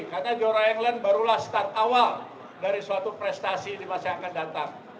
karena juara england barulah start awal dari suatu prestasi di masa yang akan datang